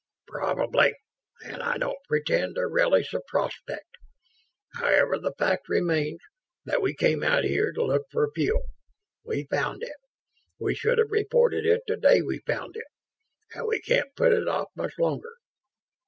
"Probably, and I don't pretend to relish the prospect. However, the fact remains that we came out here to look for fuel. We found it. We should have reported it the day we found it, and we can't put it off much longer."